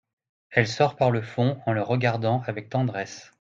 Elle sort par le fond en le regardant avec tendresse.